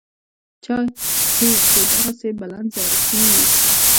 چا کې چې دغسې بلندظرفي وي.